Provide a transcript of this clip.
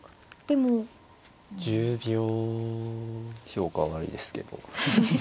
評価は悪いですけど。